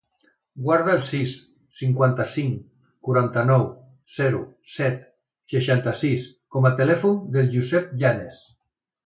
Guarda el sis, cinquanta-cinc, quaranta-nou, zero, set, seixanta-sis com a telèfon del Josep Llanes.